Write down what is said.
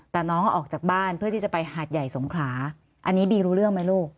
แต่น้องออกจากบ้านเพื่อที่จะไปหาดใหญ่สงขลาอันนี้บีรู้เรื่องไหมลูก